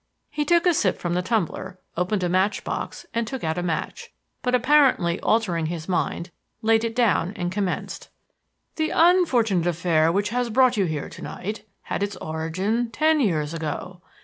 He took a sip from the tumbler, opened a match box and took out a match, but apparently altering his mind, laid it down and commenced: "The unfortunate affair which has brought you here to night, had its origin ten years ago.